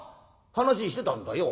話してたんだよ。